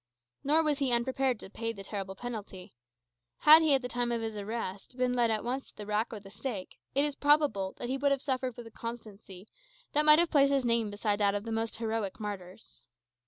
Nor was he unprepared to pay the terrible penalty. Had he, at the time of his arrest, been led at once to the rack or the stake, it is probable he would have suffered with a constancy that might have placed his name beside that of the most heroic martyrs.